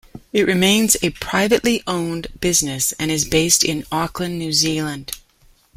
It remains a privately owned business and is based in Auckland, New Zealand.